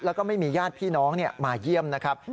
แล้วก็ไม่มีญาติพี่น้องมาเยี่ยมนะครับ